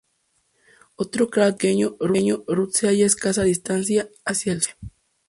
Otro cráter aún más pequeño, Ruth se halla a escasa distancia hacia el sur-suroeste.